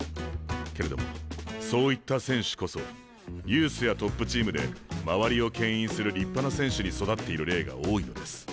けれどもそういった選手こそユースやトップチームで周りをけん引する立派な選手に育っている例が多いのです。